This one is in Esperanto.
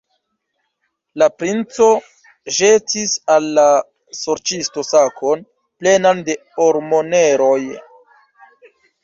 La princo ĵetis al la sorĉisto sakon, plenan de ormoneroj.